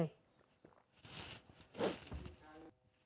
โกรธมาก